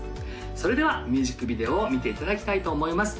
それではミュージックビデオを見ていただきたいと思います